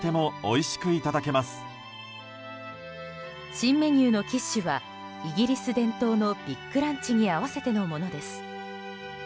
新メニューのキッシュはイギリス伝統のビッグランチに合わせてのものです。